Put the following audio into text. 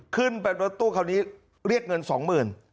ขึ้นไปรถตู้เขานี่เรียกเงิน๒๐๐๐๐